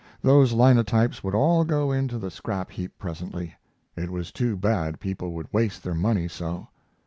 Those linotypes would all go into the scrap heap presently. It was too bad people would waste their money so.